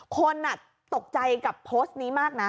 คนตกใจกับโพสต์นี้มากนะ